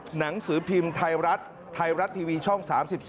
หนังสือพิมพ์ไทยรัฐไทยรัฐทีวีช่อง๓๒